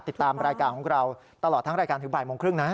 ติดตามรายการของเราตลอดทั้งรายการถึงบ่ายโมงครึ่งนะ